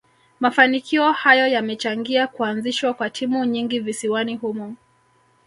Mafanikio hayo yamechangia kuazishwa kwa timu nyingi visiwani humo